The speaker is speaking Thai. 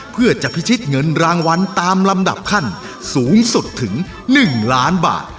เพื่อจะพิชิตเงินรางวัลตามลำดับขั้นสูงสุดถึง๑ล้านบาท